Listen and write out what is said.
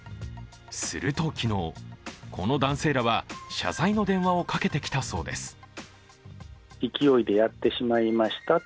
すると昨日、この男性らは謝罪の電話をかけてきたそうです。